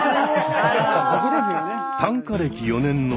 僕ですよね。